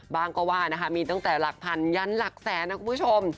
ว่าก็ว่านะคะมีตั้งแต่หลักพันยันหลักแสนนะคุณผู้ชม